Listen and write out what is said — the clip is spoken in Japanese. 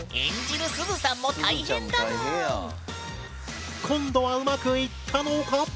演じる今度はうまくいったのか。